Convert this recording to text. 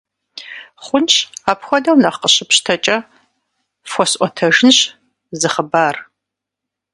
Хъунщ, апхуэдэу нэхъ къыщыпщтэкӀэ, фхуэсӀуэтэжынщ зы хъыбар.